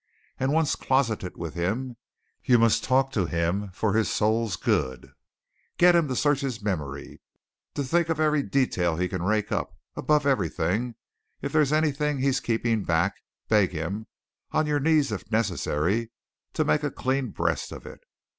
And once closeted with him, you must talk to him for his soul's good get him to search his memory, to think of every detail he can rake up above everything, if there's anything he's keeping back, beg him, on your knees if necessary, to make a clean breast of it.